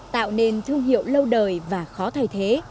tạo nên thương hiệu lâu đời và khó thay thế